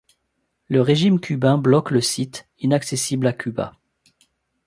Le régime cubain bloque le site, inaccessible à Cuba.